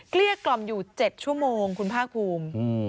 เกลี้ยกล่อมอยู่๗ชั่วโมงคุณภาคภูมิ